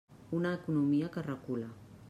Una economia que recula.